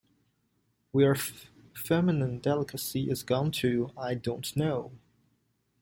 Where feminine delicacy is gone to, I don’t know!